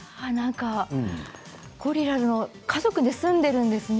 ゴリラ家族で住んでいるんですね。